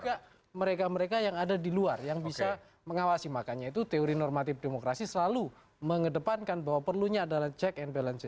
juga mereka mereka yang ada di luar yang bisa mengawasi makanya itu teori normatif demokrasi selalu mengedepankan bahwa perlunya adalah check and balance